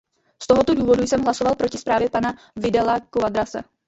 Z tohoto důvodu jsem hlasoval proti zprávě pana Vidala-Quadrase.